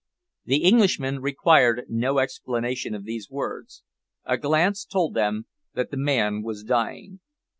The Englishmen required no explanation of these words. A glance told them that the man was dying.